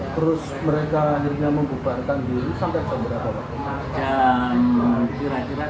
terus mereka akhirnya membubarkan diri sampai jam berapa pak